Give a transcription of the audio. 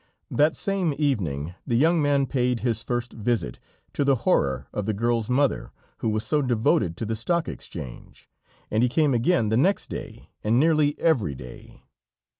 That same evening the young man paid his first visit, to the horror of the girl's mother, who was so devoted to the Stock Exchange, and he came again the next day, and nearly every day.